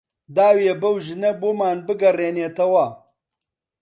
داویە بەو ژنە بۆمان بگەڕێنێتەوە